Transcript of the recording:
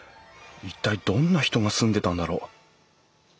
一体どんな人が住んでたんだろう？